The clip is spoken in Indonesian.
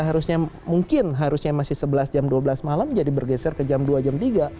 harusnya mungkin harusnya masih sebelas jam dua belas malam jadi bergeser ke jam dua jam tiga